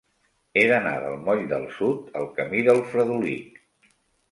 He d'anar del moll del Sud al camí del Fredolic.